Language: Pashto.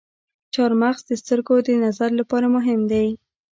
چارمغز د سترګو د نظر لپاره مهم دی.